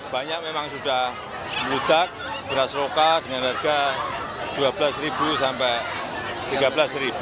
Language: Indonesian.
banyak memang sudah meludak beras lokal dengan harga rp dua belas sampai rp tiga belas